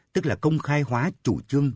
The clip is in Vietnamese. tức là công khai hóa chủ trương